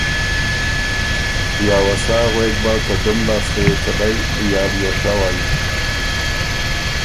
یا وه سا غوېک بۀ که ډُم لاسته يې څلئ یا ليې ڒوئ۔